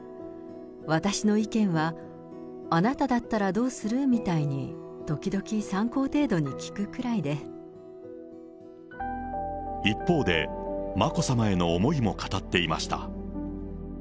私の意見は、あなただったらどうする？みたいに時々、一方で、眞子さまへの思いも語っていました。